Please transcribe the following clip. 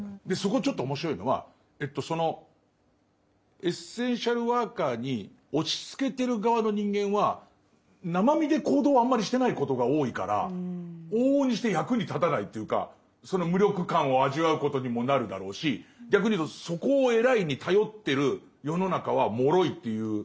でそこちょっと面白いのはそのエッセンシャルワーカーに押しつけてる側の人間は生身で行動をあんまりしてないことが多いから往々にして役に立たないというかその無力感を味わうことにもなるだろうし逆に言うとそこを偉いに頼ってる世の中はもろいっていう。